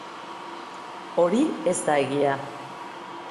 Hori ez da egia.